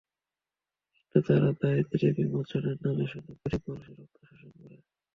কিন্তু তারা দারিদ্র্য বিমোচনের নামে শুধু গরিব মানুষের রক্ত শোষণ করে।